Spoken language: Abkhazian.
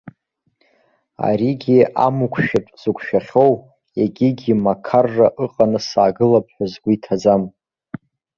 Аригьы амықәшәатә зықәшәахьоу, егьыгьы мақарра ыҟаны саагылап ҳәа згәы иҭаӡам!